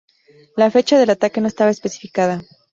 La fecha del ataque no estaba especificada.